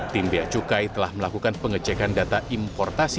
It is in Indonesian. tim beacukai telah melakukan pengecekan data importasi